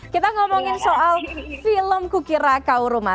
kita ngomongin soal film kukirakau rumah